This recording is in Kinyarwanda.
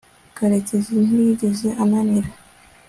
karekezi ntiyigeze ananira